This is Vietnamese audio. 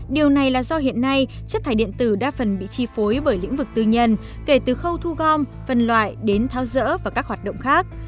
điều này là do hiện nay chất thải điện tử đa phần bị chi phối bởi lĩnh vực tư nhân kể từ khâu thu gom phân loại đến thao dỡ và các hoạt động khác